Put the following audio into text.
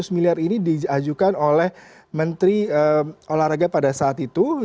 lima ratus miliar ini diajukan oleh menteri olahraga pada saat itu